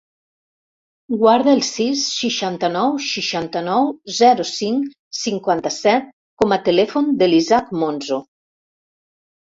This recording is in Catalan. Guarda el sis, seixanta-nou, seixanta-nou, zero, cinc, cinquanta-set com a telèfon de l'Ishak Monzo.